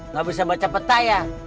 gak bisa baca peta ya